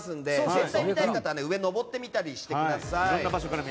全体を見たい方は上に上ってみたりしてください。